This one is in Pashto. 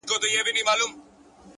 وخت د ژمنتیا تله ده.